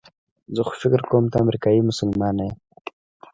زه خو فکر کوم ته امریکایي مسلمانه یې.